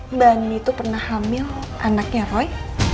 mbak ani itu pernah hamil anaknya roy